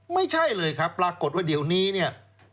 ไม่ใช่เลยครับปรากฏว่าเดี๋ยวนี้เนี่ย